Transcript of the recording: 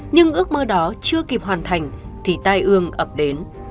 nhưng ước mơ đó chưa kịp hoàn thành thì tai ương ập đến